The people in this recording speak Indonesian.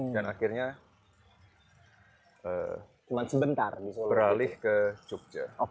dan akhirnya beralih ke jogja